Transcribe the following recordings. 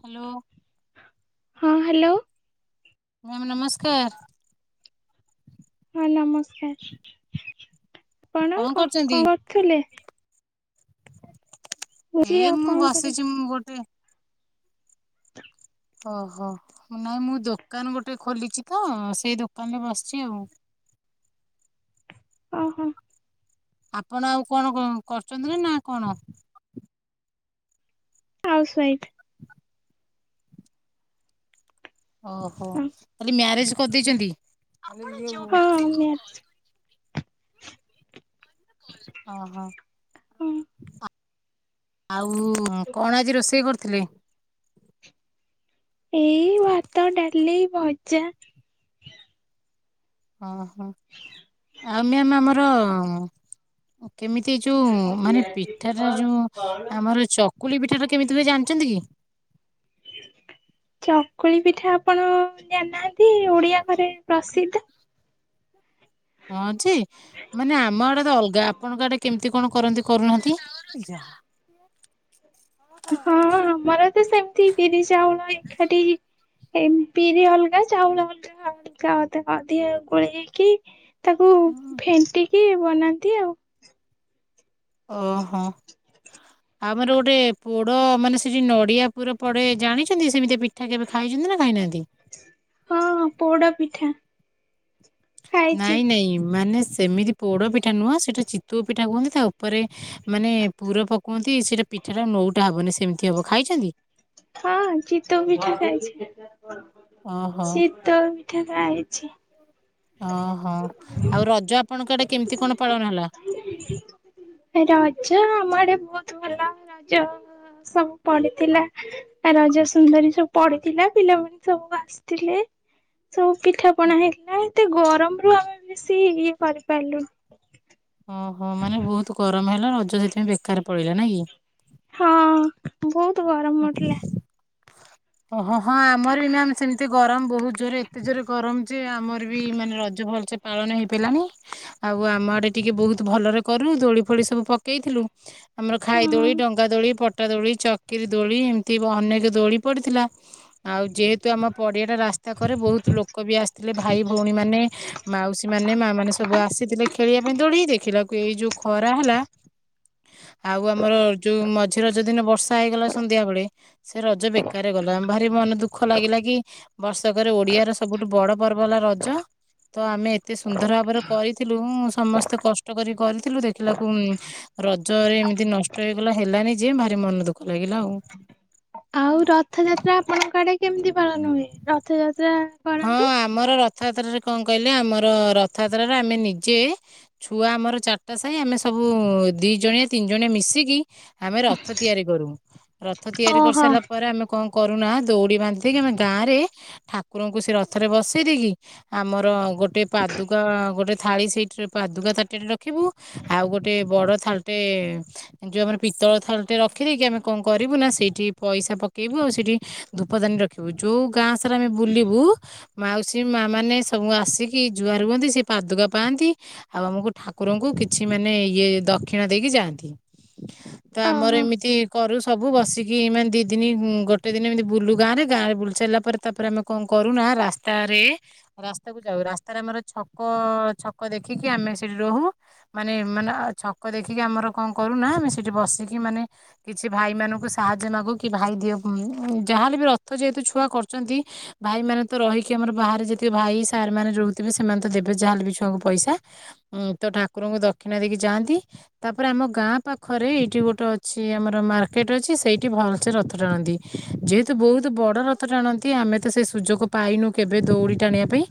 Hello. ହଁ hello. Ma'am ନମସ୍କାର। ହଁ ନମସ୍କାର କଣ କଣ କରୁଥିଲେ? ଝି ଏଇ ଆଉ ମୁଁ କଣ ବସିଛି କରିବ ମୁଁ ଗୋଟେ। ଓ ହୋ ନାଇଁ ମୁଁ ଦୋକାନ ଗୋଟେ ଖୋଲିଛି ତ ସେଇ ଦୋକାନରେ ବସିଛି ଆଉ। ଓହୋ। ଆପଣ ଆଉ କଣ କ-କରୁଛନ୍ତି ନା ନା କଣ। ହାଉସ୍ୱାଇଫ୍। ଓହୋ ହଁ ତାହେଲେ ମ୍ୟାରେଜ କରିଦେଇଛନ୍ତି। ହଁ ମ୍ୟାରେଜ ଓ ହୋ ହଁ ଅଁ ଆଉ କଣ ଆଜି ରୋଷେଇ କରୁଥିଲେ? ଏଇ ଭାତ ଡାଲି ଭଜା। ଓହୋ ଆଉ ମ୍ୟାମ ଆମର ଉଁ। କେମିତି ଯୋଉ ମାନେ ପିଠା ଟା ଯୋଉ ଆମର ଚକୁଲି ପିଠା ଟା କେମିତି ହୁଏ ଜାଣିଛନ୍ତି କି। ଚକୁଳି ପିଠା ଆପଣ ଜାଣି ନାହାନ୍ତି ଓଡିଆ ଘରେ ପ୍ରସିଦ୍ଧ। ହଁ ଯେ ମାନେ ଆମ ଆଡେ ତ ଅଲଗା ଆପଣଙ୍କ ଆଡେ କେମି ତି କଣ କରନ୍ତି କରୁନାହାନ୍ତି। ହଁଁ ଆମର ତ ସେମତି ବିରି ଚାଉଳ ଏକାଠି। ଏମ ବିରି ଅଲଗା ଚାଉଳ ଅଲଗା ଅଲଗା ଅଧେ ଅଧିକା ଗୋଳେଇ ହେଇକି। ତାକୁ ଫେଣ୍ଟିକି ବନାନ୍ତି ଆଉ। ଓହୋ। ଆମର ଗୋଟେ ପୋଡ ମାନେ ସେ ଯଉ ନଡିଆ ପୁର ପଡେ ଜାଣିଛନ୍ତି ସେମିତି ପିଠା କେବେ ଖାଇ [unintelligible] ନା ଖାଇ ନାହାନ୍ତି। ହଁ ପୋଡ ପିଠା। ଖାଇଛି। ନାଇଁ ନାଇଁ ମାନେ ସେମିତି ପୋଡ଼ ପିଠା ନୁହଁ ସେଇଟା ଚିତଉ ପିଠା କୁହନ୍ତି ତା ଉପରେ ମାନେ ପୁର ପୋକନ୍ତି ସେଇଟା ପିଠାଟା ନଉଟା ହବନି ସେମିତି ହବ ଖାଇଛନ୍ତି। ହଁ ଚିତଉ ପିଠା ଖାଇଛି ଓହୋ ଚିତଉ ପି ପିଠା ଖାଇଛି। ଓହୋ ଆଉ ରଜ ଆପଣଙ୍କ ଆଡ଼େ କେମିତି କଣ ପାଳନ ହେଲା? ରଜ ଆଡେ ବହୁତ ଭା ରାଜା ସବୁ ପଢିଥିଲା ରଜ ସୁନ୍ଦରୀ ସବୁ ପଢିଥିଲା ପିଲା ମାନେ ସବୁ ଆସିଥିଲେ। ସବୁ ପିଠା ପଣା ହେଇଥିଲା ଏତେ ଗରମ ରୁ ଆମେ ବେଶୀ ଇଏ କରିପାରିଲୁ। ଓହୋ ମାନେ ବହୁତ ଗରମ ହେଲା ରଜ ସେଥିପାଇଁ ବେକାର ପଡିଲା ନାଇଁ କି। ହଁ ବହୁତ ଗରମ ହଉଥିଲା। ହ ଓହ ହଁ ଆମର ବି ମ୍ୟା ସେମିତି ଗରମ ବହୁତ ଜୋରରେ ଏତେ ଜୋରେ ଗରମ ଯେ ଆମର ବି ମାନେ ରଜ ଭଲସେ ପାଳନ ହେଇ ପଲାଣି ଆଉ ଆମ ଆଡେ ଟିକେ ବହୁତ ଭଲରେ କଲୁ ଧୋଳି ଫୋଳି ସବୁ ପକେଇଥିଲୁ ଆମର ହଁ। ଖାଇଦୋଳି ଡଙ୍ଗା ଦୋଳି ପଟା ଦୋଳି ଚ ିରି ଦୋଳି ଏମିତି ଅନେକ ଦୋଳି ପଡ଼ିଥିଲା ଆଉ ଯେହେତୁ ଆମ ପଡ଼ିଆଟା ରାସ୍ତା କରେ ବହୁତ ଲୋକ ବି ଆସିଥିଲେ ଭାଇ ଭଉଣୀମାନେ ମାଉସୀମାନେ ମାନେ ସବୁ ଆସିଥିଲେ ଖେଳିବା ପାଇଁ ଦୋଡେଇି ଦେଖିଲା ଏଇ ଯୋଉ ଖରା ହେଲା ଆଉ ଆମର ଯୋଉ ମଝି ର ଯ ଦିନ ବର୍ଷା ହେ ସଧ୍ୟା ବଳେ ସେ ରଜ ବେକାର ଗଲା ଭାରି ମନେ ଦୁଃଖ ଲାଗିଲା କି ବର୍ଷକରେ ଓଡିଆ ର ସବୁଠୁ ବଡ ପର୍ବ ହେଲା ରଜ ତ ଆମେ ଏତେ ସୁନ୍ଦର ଭାବରେ କରିଥିଲୁ ସମସ୍ତେ କଷ୍ଟ କରି କରିଥିଲୁ ଦେଖିଲାକୁ ରଜରେ ଏମିତି ନଷ୍ଟ ହେଇଗଲା ହେଲାନି ଯେ ଭାରି ମନ ଦୁଃଖ ଲାଗିଲା ଆଉ। ଆଉ ରଥଯାତ୍ରା ଆପଣଙ୍କ ଆଡେ କେମିତି ପାଳନ ହୁଏ ରଥଯାତ୍ରା ହଁ କରନ୍ତି? ଆମର ର ରଥଯାତ୍ରାରେ କଣ କହିଲେ ଆମର ରଥଯାତ୍ରାରେ ଆମେ ନିଜେ ଛୁଆ ଆମର ଚାରିଟା ସାହି ଆମେ ସବୁ ମୁଁ ଦି ଜଣିଆ ତିନି ଜଣିଆ ମିଶିକି ଆମେ ରଥ ତିଆରି କରୁ ରଥ ତିଆରି ଓହୋ କରିସାରିଲା ପରେ ଆମେ କଣ କରୁନା ଦୌଡ଼ି ବାନ୍ଧି ଦେଇକି ଆମେ ଗାଁରେ ଠା କୁକୁରଙ୍କୁ ସେ ରଥରେ ବସେଇ ଦେଇକି ଆମର ଗୋଟେ ପାଦୁକା ଗୋଟେ ଥାଳି ସେଇଠ ପାଦୁକା ତାଟରେ ରଖିବୁ ଆଉ ଗୋଟେ ବଡ ଥାଲଟେ ଯୋଉ ଆମର ପିତଳ ଥାଲଟେ ରଖିଦେଇକି ଆମେ କଣ କରିବୁ ନା ସେଇଠି ପଇସା ପକେଇବୁ ଆଉ ସେଠି ଧୂପଦାନୀ ରଖିବୁ ଯୋଉ ଗାଁ ସରେ ଆମେ ବୁଲିବୁ ମାଉସୀ ମା ମାନେ ସବୁ ଆସିକି ଜୁଆ ରୁହନ୍ତି ସେ ପାଦୁକା ପାଆନ୍ତି ଆଉ ଆମକୁ ଠାକୁରଙ୍କୁ କିଛି ମାନେ ଇଏ ଦକ୍ଷିଣ ଦେଇକି ଯାଆନ୍ତି ତ ଆମର ଓହୋ ଏମିତି କରୁ ସବୁ ବସିକି ମାନେ ଦିଇ ଦିନ ଗୋଟେ ଦିନ ଏମିତି ବୁଲୁ ଗାଁରେ ଗାଁରେ ବୁଲ ସାରିଲା ପରେ ତାପରେ ଆମେ କଣ କରୁନା ରାସ୍ତାରେ ରାସ୍ତାକୁ ଯାଉ ରାସ୍ତାରେ ଆମର ଛକ ଛକ ଦେଖିକି ଆମେ ଆମେ ସେଠି ରହୁ ମାନେ ମାନେ ଛକ ଦେଖିକି ଆମର କଣ କରୁନା ଆମେ ସେଠି ବସିକି ମାନେ କିଛି ଭାଇ ମାନଙ୍କୁ ସାହାଯ୍ୟ ମାଗୁ କି ଭାଇ ଦିଅ ଯାହାଲେ ବି ରଥ ଯେହେତୁ ଛୁଆ କରଛନ୍ତି ଭାଇ ମାନେ ତ ରହିକି ଆମର ବାହାରେ ଯେତିକି ଭାଇ ସାର୍ ମାନେ ରହୁଥିବେ ସେମାନେ ତ ଦେବେ ଯାହାେଲେ ବି ଛୁଆଙ୍କୁ ପଇସା ଉଁ ତ ଠାକୁରଙ୍କୁ ଦକ୍ଷିଣ ଦେଇକି ଯାଆନ୍ତି ତାପରେ ଆମ ଗାଁ ପାଖରେ ଏଇଠି ଗୋଟେ ଅଛି ଆମର ମାର୍କେଟ ଅଛି ସେଠୀ ଭଲ ସେ ରଥ ଟାଣନ୍ତି ଯେହେତୁ ବହୁତ୍ ବଡ ରଥ ଟାଣନ୍ତି ତ ସେ ସୁଯୋଗ ପାଇନୁ କେବେ ଦୌଡ଼ି ଟାଣିବା ପାଇଁ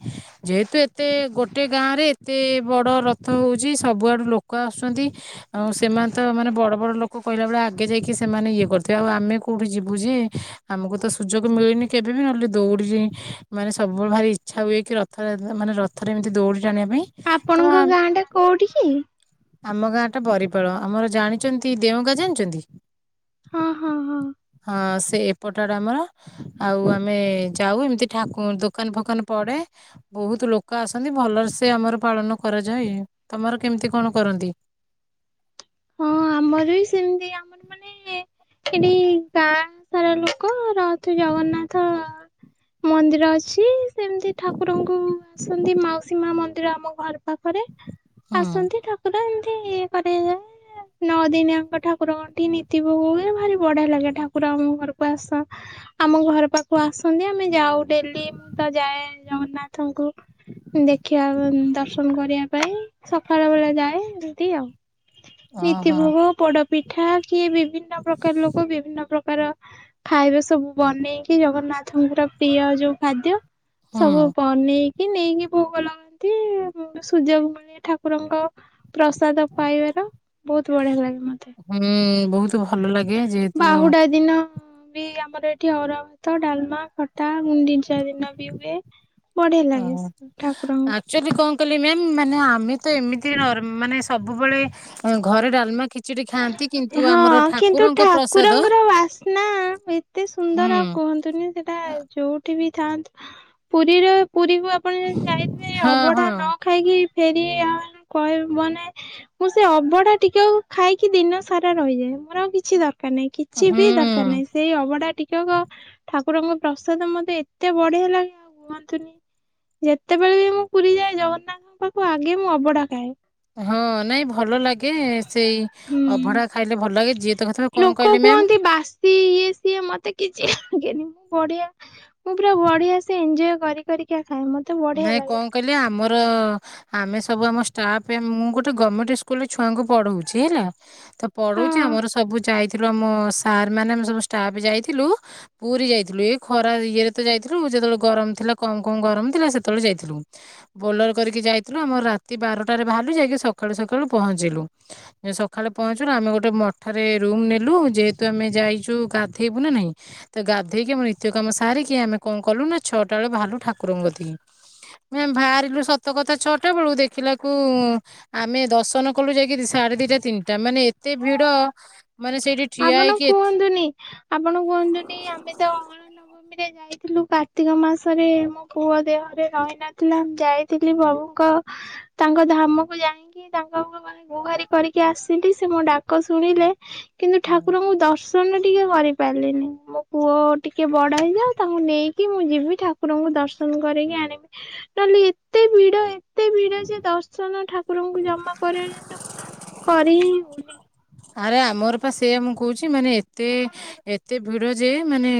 ଯେହେତୁ ଏତେ ଗୋଟେ ଗାଁ ରେ ଏତେ ବଡ଼ ରଥ ହଉଛି ସବୁଆଡୁ ଲୋକ ଆସୁଛନ୍ତି ଆଉ ସେମାନେ ତ ମାନେ ବଡ ବଡ଼ ଲୋକ କହିଲା ବେଳେ ଆଗ ଆଗେ ଯାଇକି ସେମାନେ ଇଏ କରୁଥିବେ ଆଉ ଆମେ କୋଉଠି ଯିବୁ ଯେ ଆମକୁ ତ ସୁଯୋଗ ମିଳୁନି କେବେ ବିି ନହେଲେ ଦୌଡ଼ିଛି ମାନେ ସବୁବେଳେ ଭାରି ଇଚ୍ଛା ହୁଏ କି ରଥରେ ମାନେ ରଥରେ ଏମିତି ଦୌଡ଼ି ଜାଣିବା ପାଇଁ ତ ଆପଣଙ୍କ ଗାଁ ଟା କୋଉଠି କି? ଆମ ଗାଁ ଟା ପରିପାଳ ଆମର ଜାଣିଛନ୍ତି ଦେଓଗା ଜାଣିଛନ୍ତି। ହଁ ହଁ ହଁ। ହଁ ସେ ଏପଟାଟା ଆମର ଆଉ ଆମେ ଯାଉ ଏମିତି ଠାକୁ ଦୋକାନ ଫୋକାନ ପଡେ ବହୁତ ଲୋକ ଆସନ୍ତି ଭଲରେ ସେ ଆମର ପାଳନ କରେ ତମର କେମତି କଣ କରନ୍ତି? ହଁ ଆମର ଏ ଏଠି ଗାଁ ସାରା ଲୋକ ରହ ତୁ ଜଗନ୍ନାଥ ମନ୍ଦିର ଅଛି! ସେମିତି ଠାକୁରଙ୍କୁ ଆସନ୍ତି ମାଉସୀ ମା ମନ୍ଦିର ଆମ ଘର ପାଖରେ। ହୁଁ ଆସନ୍ତି ଠାକୁର ଏମତି କରା ଯାଏ। ନଅ ଦିନିଆଙ୍କ ଠାକୁରଙ୍କଠି ନୀତି ଭୋଗ ହୁଏ। ଭାରି ବଢିଆ ଲାଗେ। ଠାକୁର ଆମ ଘରକୁ ଆସ ଆମ ଘର ପାଖକୁ ଆସନ୍ତି, ଆମେ ଯାଉ ଡେଲି ମୁଁ ତ ଯାଏ ଜଗନ୍ନାଥଙ୍କୁ ଦେଖିବା ଦର୍ଶନ କରିବା ପାଇଁ ସକାଳ ବେଳେ ଯାଏ ଏମିତି ଆଉ। ନୀତି ଓହୋ ଭୋଗ, ପୋଡପିଠା କିଏ ବିଭିନ୍ନ ପ୍ରକାର ଲୋକ ବିଭିନ୍ନ ପ୍ରକାର ର ଖାଇବା ସବୁ ବନେଇକି, ଜଗନ୍ନାଥଙ୍କର ପ୍ରିୟ ଯୋଉ ଖାଦ୍ୟ ହୁଁ ସବୁ ପନି କି ନେଇକି ଭୋଗ ଲଗାନ୍ତି। ସୂର୍ଯ୍ୟ [unintelligible] ଠାକୁରଙ୍କ ପ୍ରସାଦ ପାଇବାର ବହୁତ ବଢିଆ ଲାଗେ ମତେ। ହୁଁ, ବହୁତ ଭଲ ଲାଗେ ଯେହେତୁ ବାହୁଡା ଦିନ ବି ଆମର ଏଠି ଅରୁଆ ଭାତ ଡାଲମା ଖ ଟା ଗୁଣ୍ଡିଚା ଦିନ ବି ହୁଏ ବଢିଆ ଲାଗେ। ଠାକୁରଙ୍କୁ ମୁଁ କହିଲି ମ୍ୟାମ, ମାନେ ଆମେ ତ ଏମିତି ନର୍ ମାନେ ସବୁବେଳେ ଘରେ ଡାଲମା ଖିଚିଡି ଖାଆନ୍ତି କିନ୍ତୁ ଆମର ହଁ କିନ୍ତୁ, ଠାକୁରଙ୍କ ପ୍ରସାଦ ଠାକୁରଙ୍କର ବାସ୍ନା ଏତେ ସୁନ୍ଦର ହୁଁ ଆଉ କୁହନ୍ତୁନି ସେ ସେଟା ଯୋଉଠି ବି ଥାନ୍ତୁ, ପୁରୀର ପୁରୀକୁ ଆପଣ ଯଦି ଯାଇଥିବେ ହଁ ଅବଢା ହଁ ନ ଖାଇକି ଫେରି ଆ କହିବ ମାନେ ମୁଁ ସେ ଅବଡା ଟିକକ ଖାଇକି ଦିନସା ସାରା ରହିଯାଏ। ମୋର କିଛି ଦରକାର ନାହିଁ କିଛି ବି ଦରକାର ହୁଁ ନାହିଁ। ସେଇ ଅବଢା ଟିକକ ଠାକୁ କୁରଙ୍କ ପ୍ରସାଦ ମୋତେ ଏତେ ବଢିଆ ଲାଗେ କି ଆଉ କୁହନ୍ତୁନି। ଯେତେବେଳେ ବି ମୁଁ ପୁରୀ ଯାଏ ଜଗନ୍ନାଥଙ୍କ ପାଖକୁ ଆଗେ ମୁଁ ଅବଢା ଖାଏ। ହଁ ନାଇଁ ଭଲ ଲାଗେ ସେଇ ହୁଁ। ଅଭଢା। ଖାଇଲେ ଭଲ ଲାଗେ ଯିଏ ତ କଥା କଣ ଲୋକ କହିଲେ ମ୍ୟାମ୍ କୁହନ୍ତି, ବାସି ଇଏ ସିଏ ମତେ କି [unintelligible] ଯେମିତି ବଢିଆ ମୁଁ ପୁରା ବଢିଆ ସେ ଏନ୍ଜୟ କରିି କରିକା ଖାଏ ମତେ ବଢିଆ ନାଇଁ ଲାଗେ କଣ କହିଲେ ଆମର ଆମେ ସବୁ ଆମ ଷ୍ଟାଫ୍, ମୁଁ ଗୋଟେ ଗମେଣ୍ଟ ସ୍କୁଲ ରେ ଛୁଆଙ୍କୁ ପଢଉଛି ହେଲା। ତ ପଢଉଛି ହଁ। ଆମର ସବୁ ବୁ, ଯାଇଥିଲୁ ଆମ ସାର୍ ମାନେ ଆମେ ସବୁ ଷ୍ଟାପ୍ ଯାଇଥିଲୁ। ପୁରୀ ଯାଇଥିଲୁ ଏଇ ଖରା ଇଏରେ ତ ଯାଇଥିଲୁ, ଯେତେବେଳେ ଗରମ ଥିଲା କମ କମ ଗରମ ଥିଲା ସେ ସେତବେଳେ ଯାଇଥିଲୁ। ବୋଲର କରିକି ଯାଇଥିଲୁ ଆମର ରାତି ବାରଟାରେ ବାହାରିଲୁ ଯାଇକି ସକାଳୁ ସକାଳୁ ପହଞ୍ଚିଲୁ। ସକାଳେ ପହଞ୍ଚିଲୁ ଆମେ ଗୋଟେ ମଠରେ ରୁମ ନେଲୁ। ଯେହେତୁ ଆମେ ଯାଇଛୁ ଗାଧେଇବୁନ ନାହିଁ, ତ ଗାଧେଇକି ଆମ ନିତ୍ୟ କାମ ସାରିକି ଆମେ କଣ କଲୁ ନା, ଛଅଟା ବେଳେ ବାହାରିଲୁ ଠାକୁରଙ୍କ କତିକି। [inaudible] ମ୍ୟାମ୍ ବାହାରିଲୁ ସତ କଥା ଛଅଟା ବେଳୁ, ଦେଖିଲାକୁ ଆମେ ଦର୍ଶନ କଲୁ ଯାଇକି ସାଢେ ଦି ଦିଟା ତିନିଟା ମାନେ ଏତେ ଭିଡ। ମାନେ ସେଇଠି ଠିଆ ଆପଣ ହେଇକି ଏତେ- କୁହନ୍ତୁନି ଆପଣ କୁହନ୍ତୁନି, ଆମେ ତ ଅଁଳାନବମୀ ନ, ଯାଇଥିଲୁ କାର୍ତ୍ତିକ ମାସରେ ମୋ ପୁଅ ଦେହରେ ରହିନଥିଲା, ମୁ ଯାଇଥିଲି ପ୍ରଭୁଙ୍କ ତାଙ୍କ ଧାମକୁ ଯାଇକି ତାଙ୍କ ଗୁହାରି କରିକି ଆସିଲି। ସେ ମୋ ଡାକ ଶୁଣି ଲେ, କିନ୍ତୁ ହଁ। ଠାକୁରଙ୍କୁ ଦର୍ଶ [inaudible] କରିପାରିଲିନି। ମୋ ପୁଅ ଟିକେ ବଡ ହେଇଯାଉ ତାକୁ ନେଇକି ମୁଁ ଯିବି ଠାକୁରଙ୍କୁ ଦର୍ଶନ କ କରିକି ଆଣିବି। ନହେଲେ ଏତେ ଭିଡ ଏତେ ଭିଡ ସେ ଦର୍ଶନ ଠାକୁରଙ୍କୁ ଜମା କରି ହଉନି କରି ହିଁ ହଉନି। ଆରେ ଆମର ପା ସେଇଆ ମୁଁ କହୁଛି, ମାନେ ଏତେ ଏତେ ଭିଡ ଯେ ମାନେ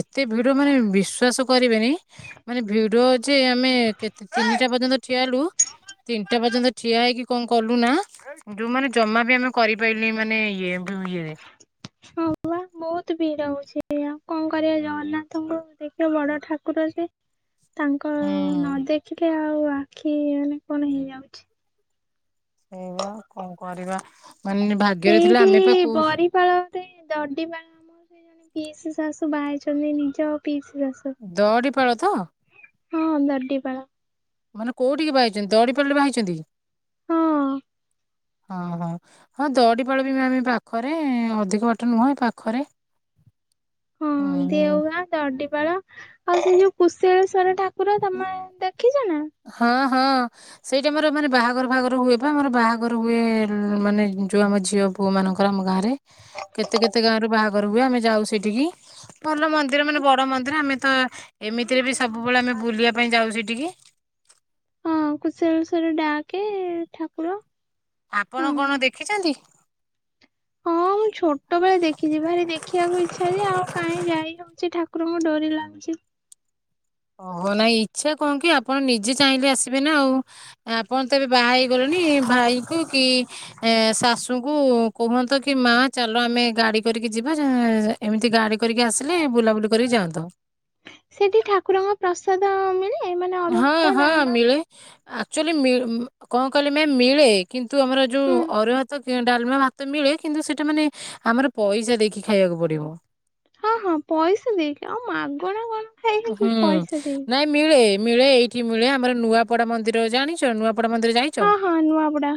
ଏତେ ଭିଡ ମାନେ ବିଶ୍ଵାସ କରିବେନି ମାନେ ଭିଡ ଯେ ଆମେ କେତେ, ତିନିଟା ପର୍ଯ୍ୟନ୍ତ ଠିଆ ହେଲୁ। ତିନିଟା ପର୍ଯ୍ୟନ୍ତ ଠିଆ ହେଇକି କଣ କଲୁ ନା, ଯୋଉମାନେ ଜମା ବି ଆମେ କରି ପାଇଲିନି ମାନେ ଇଏ ହଁ ବା ବହୁତ ଭିଡ ହଉଛି। ସେଆଉ କଣ କରିବା ଜଗନ୍ନାଥଙ୍କୁ ଦେଖିବା ବଡ ଠାକୁର ସେ। ତାଙ୍କ ହୁଁ ନ ଦେଖିଲେ ଆଉ ଆଖି ମାନେ କଣ ହେଇଯାଉଛି। ସେଇ କଣ କରିବା ମାନେ ଭାଗ୍ୟରେ ଥିଲା ଆମେ ପା ସେଇଠି କଉ ବରିପାଳରେ [unintelligible] ପିସ୍ ଶାଶୁ ବାହାଛନ୍ତି ନିଜ ପିସି [unintelligible] ହଁ ଦଡି ପାଳ। ମାନେ କୋଉଠିକି ବାହା ହୋଇଛନ୍ତି ଦଡି ପାଳ ରେ ବାହା ହେଇଛନ୍ତି? ହଁ ହଁ ହଁ ହଁ ଦଡି ପାଳ ବି ଆମେ ପାଖରେ ଅଧିକ ବାଟ ନୁହେଁ ପାଖରେ। [unintelligible] ହଁ ହୁଁ ଦେଉଗ ଦଡିିବାଳ ଆଉ ସେ ଯୋଉ କୁଶଳ ଈଶ୍ୱର ଠାକୁର ତମେ ଦେଖିଛ ନା? ହଁ ହଁ ସେଇଟା ଆମର ମାନେ ବାହାଘର ବାହାଘର ହୁଏ ବା ଆମର ବାହାଘର ହୁଏ ମାନେ ଯୋଉ ଆମ ଝିଅ ପୁଅ ମାନଙ୍କର ଆମ ଗାଁରେ କେତେ କେତେ ଗାଁରୁ ବାହାଘ ର ହୁଏ ଆମେ ଯାଉ ସେଠିକି ଭଲ ମନ୍ଦିର ମାନେ ବଡ ମନ୍ଦିର ଆମେ ତ ଏମିତିରେ ବି ସବୁ କେବବଳେ ଆମେ ବୁଲିବା ପାଇଁ ଯାଉଛଠିକି। ହଁ କୁସରସର ଡାକେ ଠାକୁର ଆପଣ ହଁ। କଣ ଦେଖିଛନ୍ତି? ହଁ [unintelligible] ମୁଁ ଛୋଟ ବେଳେ ଦେଖିଛି ଭାରି ଦେଖିବାକୁ ଇଚ୍ଛା ଯେ ଆଉ କାହିଁ ଯାଇ ହଉଛି ଠାକୁରଙ୍କୁ ଡରି ଲାଗୁଛି। ଓହ ନାଇଁ ଇଚ୍ଛା କଣ କି ଆପଣ ନିଜେ ଚାହିଁଲେ ଆସିବେ ନା ଆଉ ଆପଣ ତବେ ବାହା ହେଇଗଲେଣି ଭାଇ କ କି ଶାଶୁଙ୍କୁ କୁହନ୍ତ କି ମା ଚାଲ ଆମେ ଗାଡି କରିକି ଯିବା ଏମିତି ଗାଡି କରିକି ଆସିଲେ ବୁଲାବୁଲି କରିକି ଯାଆନ୍ତ। ଠାକୁର ଙ୍କ ପ୍ରସାଦ ମିଳୀ ହଁ ହଁ ମିଳେ। ଆକ୍ଚୁଆଲି କଣ କହିଲେ ମ ମିଳେ କିନ୍ତୁ ଆମର ହୁଁ। ଯୋଉ ଅରୁଆ ଭାତ ଡାଲମାଆ ଭାତ ମିଳେ କିନ୍ତୁ ସେଟା ମାନେ ଆମର ପଇସା ଦେଇକି ଖାଇବାକୁ ପଡିବ। ହଁ ହଁ ପଇସା ଦେଇକି ଆଉ ମାଗଣା କଣ। ଖାଇବି ହୁଁ ପଇସା ଦେଇକି ନାଇଁ ମିଳେ ମିଳେ ଏଇଠି ମିଳେ ଆମର ନୂଆପଡା ମନ୍ଦିର ଜାଣିଛ ନୂଆ ମନ୍ଦିର ଯାଇଛ ହଁ ହଁ ନୂଆବୁଡା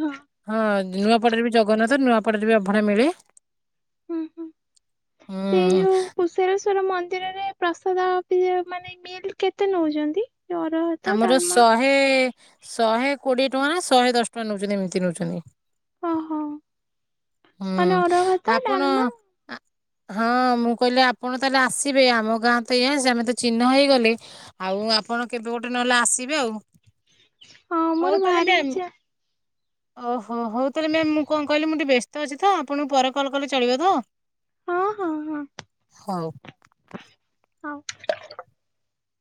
ହଁ ନୂଆପଡରେ ବି ଜଗନ୍ନାଥ ନୂଆ ପଟରେ ବି ଅଭଣା ମିଳେ। ହୁଁ ହୁଁ ସେଇ ହୁଁ ଯୋଉ କୁଷର ର ମନ୍ଦିରରେ ପ୍ରସାଦ ଅ ମାନେ ମିଲ୍ କେତେ ନେଉଛନ୍ତି? ଆମର ଶହେ ଶହେ କୋଡିଏ ଟଙ୍କା ନା ଶହେ ଦଶ ଟଙ୍କା ନେଉଛନ୍ତି ଏମିତି ନେଉଛନ୍ତି। ଓହୋ ହୁଁ ମାନେ ଅରୁଆ ଭାତ ଆପଣ ଡାଲମା ହଁ ମୁଁ କହିଲି ଆପଣ ତାହେଲେ ଆସିବେ ଆମ ଗାଁ ତ ଇା ସେ ଆମେ ତ ଚିହ୍ନ ହେଇଗଲେ। ଆଉ ଆପଣ କେବେ ଗୋଟେ ନହେଲେ ଆସିବେ ଆଉ। ହଁ ହଉ ମୋର ତାହେଲେ ଭାରି ମ୍ୟାମ୍ ଇଚ୍ଛା ଓହୋ ହଉ ତାହେଲେ ମ୍ୟାମ୍ ମୁଁ କଣ କହିଲି ମୁଁ ଟିକେ ବ୍ୟସ୍ତ ଅଛି ତ ଆପଣଙ୍କୁ ପରେ କଲ୍ କଲେ ଚଳିବ ତ? ହଁ ହଁ ହଁ ହିଁ। ହଁ।